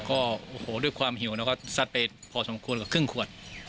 เน่วก็โอ้โหความหิวด้วยเป็นซัดเปลี่ยงพอสมควรก็คึ่งขวด